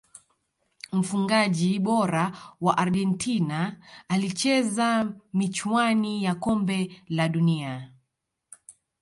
mfungaji bora wa argentina alicheza michuani ya kombe la dunia